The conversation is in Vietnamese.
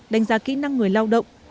đánh giá kỹ năng người lao động